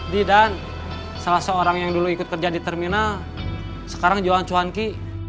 didan salah seorang yang dulu ikut kerja di terminal sekarang jualan cuanki